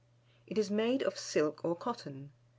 It is made of silk or cotton.